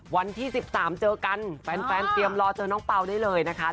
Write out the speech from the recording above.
วันที่๑๓เจอกันแฟนเตรียมรอเจอน้องเปล่าได้เลยนะคะ